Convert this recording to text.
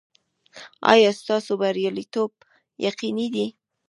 ایا ستاسو بریالیتوب یقیني دی؟